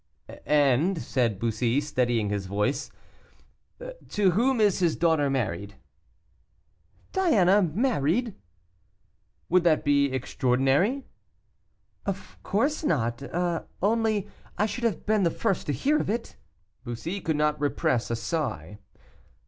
"And," said Bussy, steadying his voice, "to whom is his daughter married?" "Diana married?" "Would that be extraordinary?" "Of course not, only I should have been the first to hear of it." Bussy could not repress a sigh.